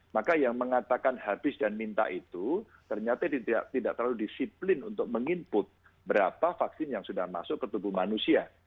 maka yang mengatakan habis dan minta itu ternyata tidak terlalu disiplin untuk meng input berapa vaksin yang sudah masuk ke tubuh manusia